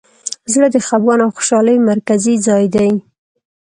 زړه د خفګان او خوشحالۍ مرکزي ځای دی.